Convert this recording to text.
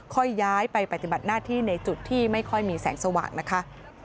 ย้ายไปปฏิบัติหน้าที่ในจุดที่ไม่ค่อยมีแสงสว่างนะคะ